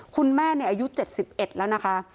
คุณแม่เนี่ยอายุเจ็ดสิบเอ็ดแล้วนะคะ